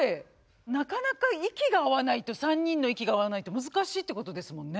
なかなか息が合わないと３人の息が合わないと難しいってことですもんね。